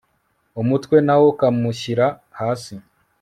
umutwe nawo akawushyira hasi